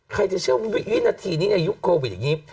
ใครจะเชื่อวินาทีนี้ในยุคโควิดอย่างนี้